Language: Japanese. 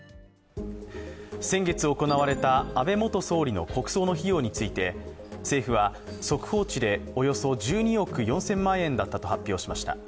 先月行われた安倍元総理の国葬の費用について政府は速報値でおよそ１２億４０００万円だったと発表しました。